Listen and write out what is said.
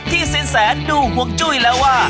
สินแสดูห่วงจุ้ยแล้วว่า